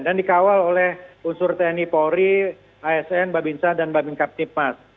dan dikawal oleh unsur tni polri asn babinsa dan babin captipas